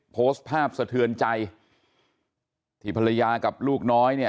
โพสต์ภาพสะเทือนใจที่ภรรยากับลูกน้อยเนี่ย